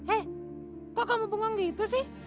eh kok kamu bengong gitu sih